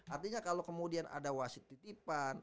artinya kalau kemudian ada wasit titipan